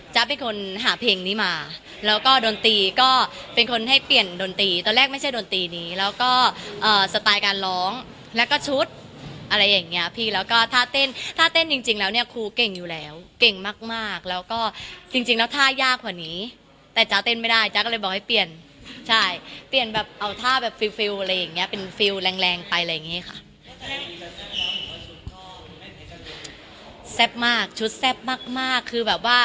เป็นคนหาเพลงนี้มาแล้วก็ดนตรีก็เป็นคนให้เปลี่ยนดนตรีตอนแรกไม่ใช่ดนตรีนี้แล้วก็สไตล์การร้องแล้วก็ชุดอะไรอย่างเงี้ยพี่แล้วก็ถ้าเต้นถ้าเต้นจริงแล้วเนี่ยครูเก่งอยู่แล้วเก่งมากมากแล้วก็จริงจริงแล้วท่ายากกว่านี้แต่จ๊ะเต้นไม่ได้จ๊ะก็เลยบอกให้เปลี่ยนใช่เปลี่ยนแบบเอาท่าแบบฟิลอะไรอย่างเงี้ยเป็นฟิลแรงแรงไปอะไรอย่างนี้ค่ะ